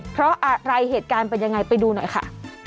เพราะอะไรเหตุการณ์เป็นยังไงไปดูหน่อยค่ะ